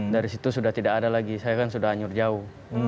dari situ sudah tidak ada lagi saya kan sudah anyur jauh